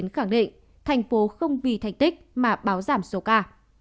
khẳng định thành phố không vì thành tích mà báo giảm số ca